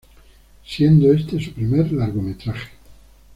Siendo este su primer largometraje.